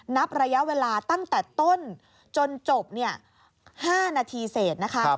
นับระยะเวลาตั้งแต่ต้นจนจบ๕นาทีเศษ